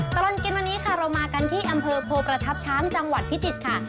ตลอดกินวันนี้ค่ะเรามากันที่อำเภอโพประทับช้างจังหวัดพิจิตรค่ะ